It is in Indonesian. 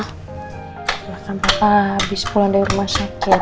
silahkan papa abis pulang dari rumah sakit